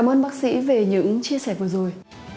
cảm ơn bác sĩ về những chia sẻ vừa rồi